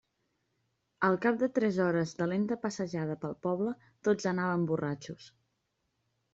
Al cap de tres hores de lenta passejada pel poble, tots anaven borratxos.